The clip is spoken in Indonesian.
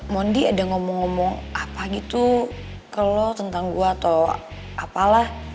mondi ada ngomong ngomong apa gitu ke lo tentang gue atau apalah